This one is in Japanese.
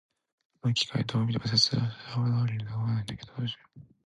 この機械、どう見ても説明書通りに動かないんだけど、どうしよう。